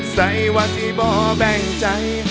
ใส่ว่าสิ่งบ่อแบงใจ